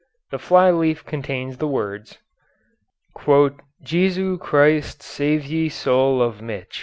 The fly leaf contains the words, "Jesu Christ save ye soule of mich."